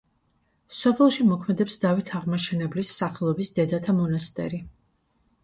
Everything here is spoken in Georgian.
სოფელში მოქმედებს დავით აღმაშენებლის სახელობის დედათა მონასტერი.